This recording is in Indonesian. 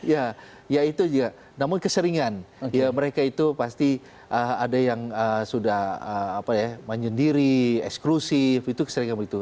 ya ya itu juga namun keseringan ya mereka itu pasti ada yang sudah menyendiri eksklusif itu keseringan itu